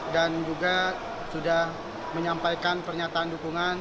dan juga sudah menyampaikan pernyataan dukungan